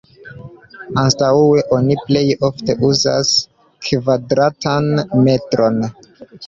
Anstataŭe, oni plej ofte uzas "kvadratan metron".